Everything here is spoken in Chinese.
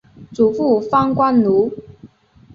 祖父方关奴。